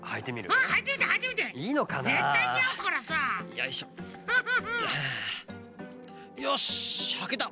よしはけた！